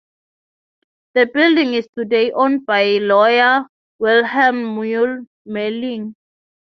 The building is today owned by lawyer Wilhelm Mule Malling.